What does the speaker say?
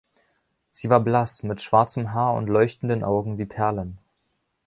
Sie war blass, mit schwarzem Haar und leuchtenden Augen wie Perlen.